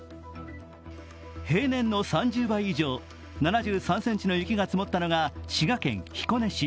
平年の３０倍以上、７３ｃｍの雪が積もったのが滋賀県彦根市。